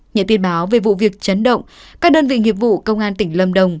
nhận tin báo về vụ việc chấn động các đơn vị nghiệp vụ công an tỉnh lâm đồng